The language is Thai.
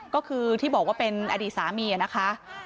ก็คือที่บอกว่าเป็นอดีตสามีนะคะ